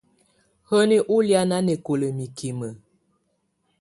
Hǝni ù lɛ̀á nanɛkɔla mikimǝ?